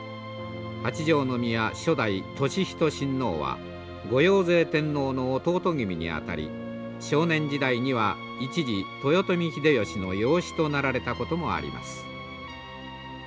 八条宮初代智仁親王は後陽成天皇の弟君にあたり少年時代には一時豊臣秀吉の養子となられたこともあります。